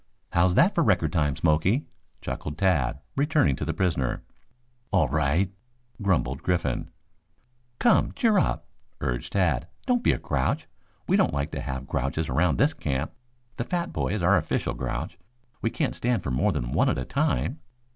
"How's that for record time, Smoky?" chuckled Tad, turning to the prisoner. "All right," grumbled Griffin. "Come, cheer up," urged Tad. "Don't be a grouch. We don't like to have grouches around this camp. The fat boy is our official grouch. We can't stand more than one at a time."